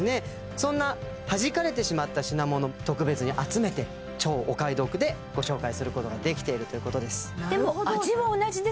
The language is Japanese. そんなはじかれてしまった品物を特別に集めて超お買い得でご紹介することができているということです